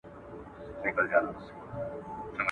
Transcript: که ماشومان پوښتنه وکړي موږ ځواب ورکوو.